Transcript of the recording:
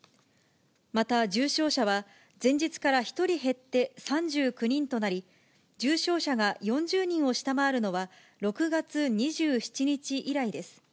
また、重症者は前日から１人減って３９人となり、重症者が４０人を下回るのは、６月２７日以来です。